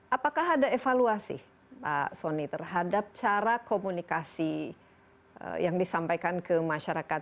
apakah ada evaluasi pak soni terhadap cara komunikasi yang disampaikan ke masyarakat